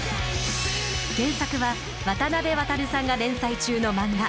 原作は渡辺航さんが連載中の漫画。